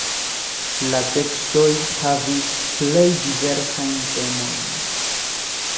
La tekstoj havis plej diversajn temojn.